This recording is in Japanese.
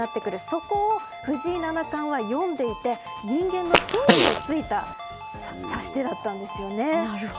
そこを藤井七冠は読んでいて人間の心理を突いた指し手だったんですね。